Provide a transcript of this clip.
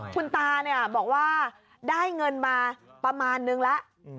คุณตาเนี่ยบอกว่าได้เงินมาประมาณนึงแล้ว